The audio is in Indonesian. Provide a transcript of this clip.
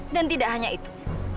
dan tidak hanya itu